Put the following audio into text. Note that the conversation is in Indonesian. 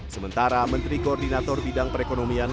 sementara menteri koordinator bidang perekonomian